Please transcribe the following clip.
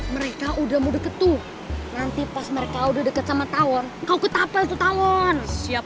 mereka udah mau deket tuh nanti pas mereka udah deket sama tahun kau ke tapel tawon siap